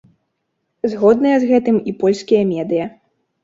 Згодныя з гэтым і польскія медыя.